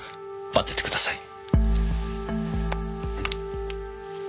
待っててください。